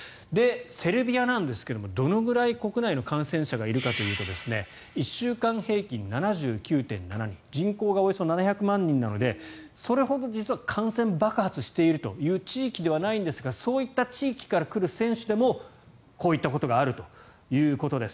セルビアなんですが、どのぐらい国内の感染者がいるかというと１週間平均７９．７人人口がおよそ７００万人なのでそれほど実は感染爆発しているという地域ではないんですがそういった地域から来る選手でもこういったことがあるということです。